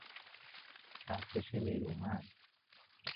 ارتش نیرومند